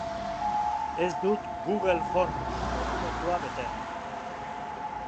Ez dut Google forms dokumentua bete.